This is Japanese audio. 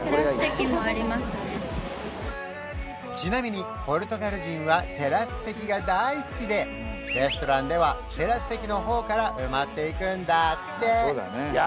ちなみにポルトガル人はテラス席が大好きでレストランではテラス席の方から埋まっていくんだって！